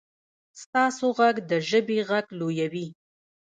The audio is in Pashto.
ستاسو غږ د ژبې غږ لویوي.